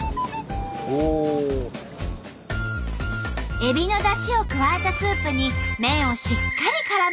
エビの出汁を加えたスープに麺をしっかりからめたら。